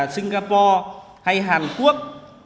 singapore hay hàn quốc